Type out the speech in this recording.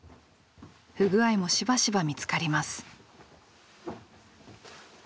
不具合もしばしば見つかります。